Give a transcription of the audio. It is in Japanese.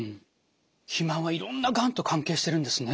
肥満はいろんながんと関係しているんですね。